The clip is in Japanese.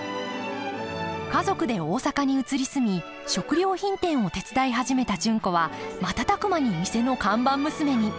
家族で大阪に移り住み食料品店を手伝い始めた純子は瞬く間に店の看板娘に。